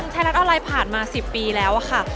ไทยรัฐออนไลน์ผ่านมา๑๐ปีแล้วค่ะ